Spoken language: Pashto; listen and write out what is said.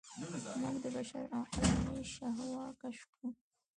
موږ د بشر عقلاني شهود کشف کوو.